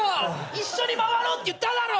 一緒に回ろうって言っただろ？